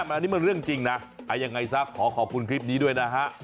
อันนี้มันเรื่องจริงนะยังไงซะขอขอบคุณคลิปนี้ด้วยนะฮะ